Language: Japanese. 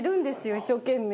一生懸命。